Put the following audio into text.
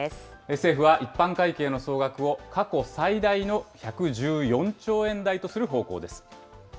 政府は一般会計の総額を、過去最大の１１４兆円台とする方向